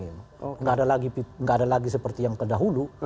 enggak ada lagi seperti yang ke dahulu